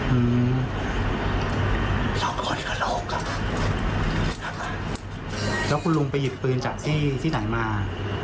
อืมสองคนอีกละหกอ่ะแล้วคุณลุงไปหยิบปืนจากที่ที่ไหนมา